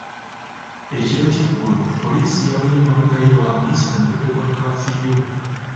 Ekiro ky'eggulo, Poliisi yaboye emmotoka ye lwa kuyisa mu budde bwa kafiyu.